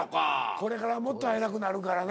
これからもっと会えなくなるからな。